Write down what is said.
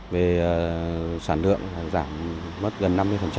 về sản lượng giảm gần năm mươi